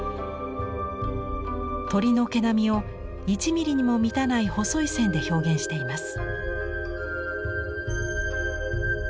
鶏の毛並みを１ミリにも満たない細い線で表現しています。